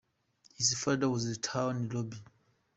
His father was the town Rabbi.